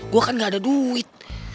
gue kan gak ada duit